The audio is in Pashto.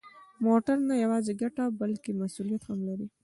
موټر نه یوازې ګټه، بلکه مسؤلیت هم لري.